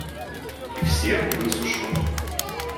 И все высушу.